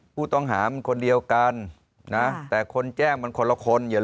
ผู้ต้องหามันคนเดียวกันนะแต่คนแจ้งมันคนละคนอย่า